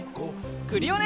クリオネ！